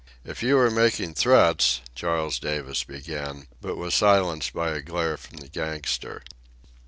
"If you are making threats—" Charles Davis began, but was silenced by a glare from the gangster.